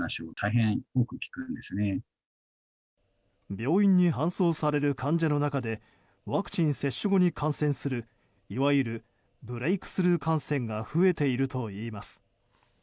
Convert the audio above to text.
病院に搬送される患者の中でワクチン接種後に感染するいわゆるブレークスルー感染が増えているといいます。